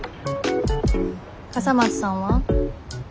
笠松さんは？